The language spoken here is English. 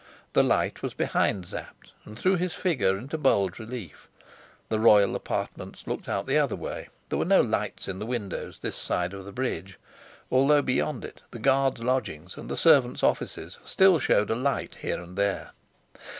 The light was behind Sapt, and threw his figure into bold relief. The royal apartments looked out the other way; there were no lights in the windows this side the bridge, although beyond it the guards' lodgings and the servants' offices still showed a light here and there.